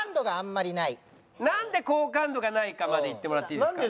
「なんで好感度がないか」まで言ってもらっていいですか？